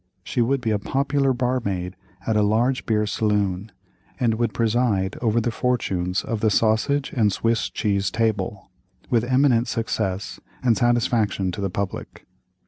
She would be a popular bar maid at a lager bier saloon, and would preside over the fortunes of the sausage and Swiss cheese table, with eminent success, and satisfaction to the public.